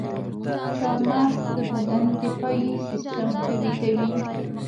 چارمغز د بدن دفاعي سیستم قوي کوي.